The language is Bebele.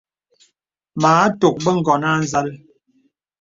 Mə à tɔk bə ǹgɔ̀n à nzàl.